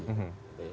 jadi dalam korporasi